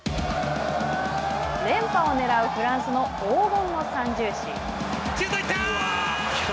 連覇をねらうフランスの黄金の三銃士。